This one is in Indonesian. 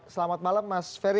selamat malam mas ferry